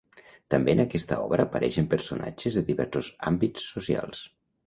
També en aquesta obra apareixen personatges de diversos àmbits socials.